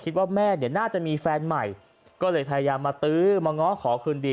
คิดว่าแม่เนี่ยน่าจะมีแฟนใหม่ก็เลยพยายามมาตื้อมาง้อขอคืนดี